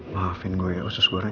maafin gue ya usus goreng